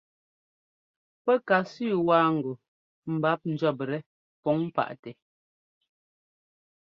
Pɛ́ ka sẅi waa ŋgɔ mbǎp njʉ̈ptɛ́ pǔŋ paʼtɛ́.